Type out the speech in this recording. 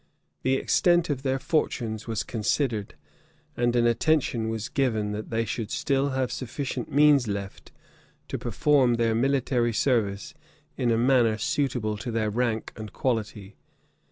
The extent of their fortunes was considered; and an attention was given that they should still have sufficient means left to perform their military service in a manner suitable to their rank and quality.